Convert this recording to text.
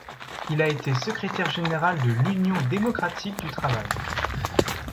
Il a été secrétaire général de l'Union démocratique du travail.